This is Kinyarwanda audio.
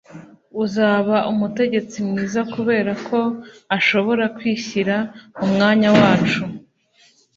azaba umutegetsi mwiza kubera ko ashobora kwishyira mu mwanya wacu